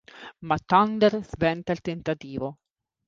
Ma Thunder sventa il tentativo.